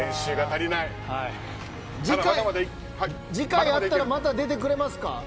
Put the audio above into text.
次回あったらまた出てくれますか。